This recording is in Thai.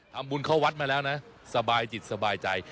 ทำบุญเข้าวัดมาแล้วนะสบายจิตสบายใจ